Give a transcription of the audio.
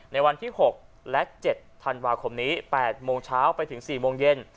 ในวันที่๖และ๗ธันวาคมนี้๘โมงเช้าไปถึง๔โมงเย็น